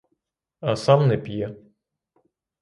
А сам не п'є.